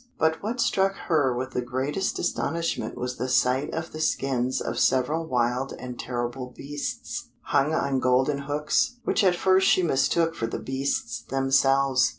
But what struck her with the greatest astonishment was the sight of the skins of several wild and terrible beasts, hung on golden hooks, which at first she mistook for the beasts themselves.